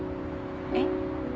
えっ？